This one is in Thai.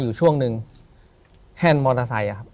ถูกต้องไหมครับถูกต้องไหมครับ